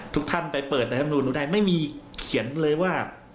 ทุกท่านไปเปิดรัฐมนุนได้ไม่มีเขียนเลยว่า